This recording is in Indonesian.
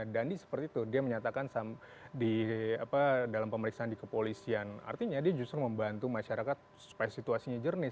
dandi seperti itu dia menyatakan dalam pemeriksaan di kepolisian artinya dia justru membantu masyarakat supaya situasinya jernih